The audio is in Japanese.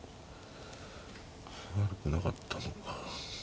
悪くなかったのか。